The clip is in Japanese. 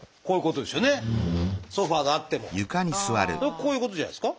こういうことじゃないですか？